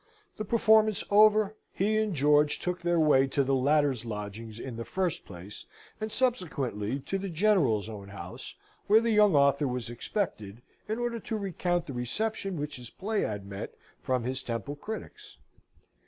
The performance over, he and George took their way to the latter's lodgings in the first place, and subsequently to the General's own house, where the young author was expected, in order to recount the reception which his play had met from his Temple critics.